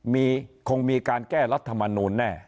คงมีการแก้รัฐมนูลแน่